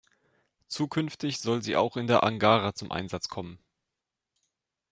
Zukünftig soll sie auch in der Angara zum Einsatz kommen.